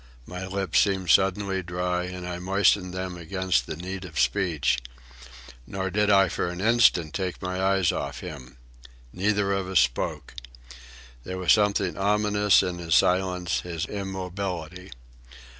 My lips seemed suddenly dry and I moistened them against the need of speech. Nor did I for an instant take my eyes off him. Neither of us spoke. There was something ominous in his silence, his immobility.